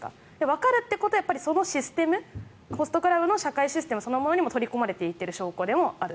わかるということはそのシステムホストクラブの社会システムそのものにも取り込まれていってる証拠でもある。